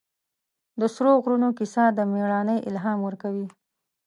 د سرو غرونو کیسه د مېړانې الهام ورکوي.